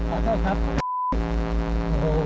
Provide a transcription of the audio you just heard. ผมไม่รู้